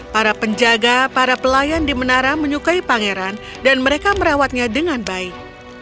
para penjaga para pelayan di menara menyukai pangeran dan mereka merawatnya dengan baik